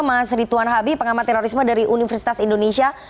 mas ritwan habi pengamaterorisme dari universitas indonesia